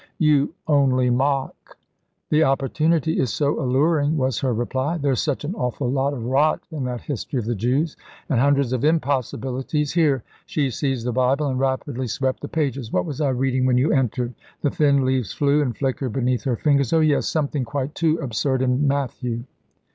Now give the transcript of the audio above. "You only mock." "The opportunity is so alluring," was her reply. "There's such an awful lot of rot in that history of the Jews. And hundreds of impossibilities. Here!" She seized the Bible and rapidly swept the pages. "What was I reading when you entered?" The thin leaves flew and flickered beneath her fingers. "Oh yes! Something quite too absurd in Matthew."